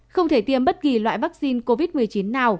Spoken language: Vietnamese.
không thể tiêm bất kỳ loại vaccine covid một mươi chín nào